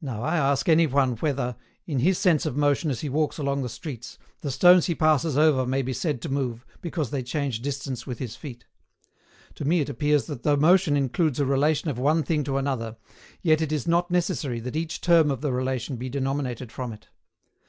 Now, I ask any one whether, in his sense of motion as he walks along the streets, the stones he passes over may be said to move, because they change distance with his feet? To me it appears that though motion includes a relation of one thing to another, yet it is not necessary that each term of the relation be denominated from it.